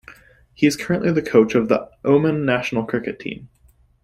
He is currently the coach of the Oman national cricket team.